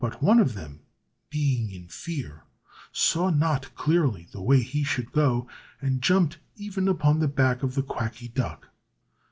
But one of them, being in fear, saw not clearly the way he should go, and jumped even upon the back of the Quacky Duck.